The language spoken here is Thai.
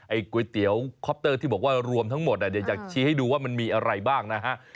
ก๋วยเตี๋ยวคอปเตอร์ที่บอกว่ารวมทั้งหมดเดี๋ยวอยากชี้ให้ดูว่ามันมีอะไรบ้างนะฮะ